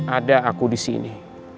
ada aku disini